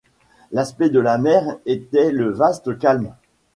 L’aspect de la mer était le vaste calme.